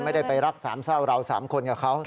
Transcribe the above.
ไม่ได้ไปรักสามเศร้าเรา๓คนกับเขา